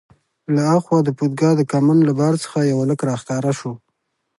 له ها خوا د پودګا د کمند له بار څخه یو هلک راښکاره شو.